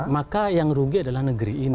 maka yang rugi adalah negeri ini